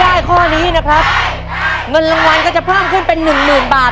ถ้าได้ข้อนี้นะครับเงินรางวัลก็จะพร่อมขึ้นเป็น๑๐๐๐๐บาท